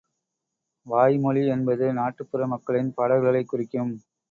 வாய்மொழி என்பது நாட்டுப்புற மக்களின் பாடல்களைக் குறிக்கும்.